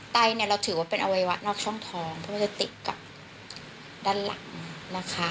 ไตเนี่ยเราถือว่าเป็นอวัยวะนอกช่องท้องเพราะมันจะติดกับด้านหลังนะคะ